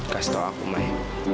kasih tau aku mai